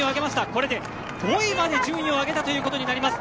これで５位まで順位を上げたということになります。